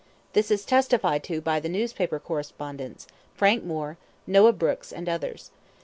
This is testified to by the newspaper correspondents, Frank Moore, Noah Brooks, and others.